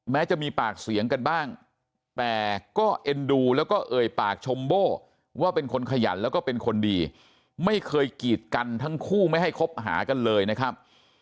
จะมีปากเสียงกันบ้างแต่ก็เอ็นดูแล้วก็เอ่ยปากชมโบ้ว่าเป็นคนขยันแล้วก็เป็นคนดีไม่เคยกีดกันทั้งคู่ไม่ให้คบหากันเลยนะครับ